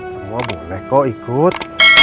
semua boleh kok ikut